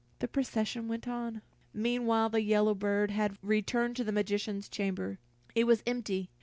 The procession went on. Meanwhile the yellow bird had returned to the magician's chamber. It was empty.